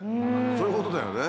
そういうことだよね。